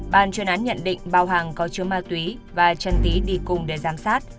bàn truyền án nhận định bao hàng có chứa ma túy và trần tý đi cùng để giám sát